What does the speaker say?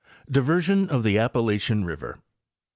DIVERSION OF THE APPALACHIAN RIVER.